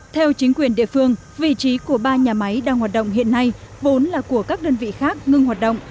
theo chính quyền địa phương vị trí của ba nhà máy đang hoạt động hiện nay vốn là của các đơn vị khác ngưng hoạt động